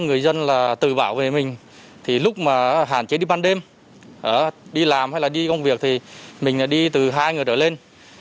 người dân tự bảo về mình lúc mà hạn chế đi ban đêm đi làm hay đi công việc thì mình đi từ hai người trở lên